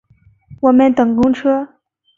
我们等公车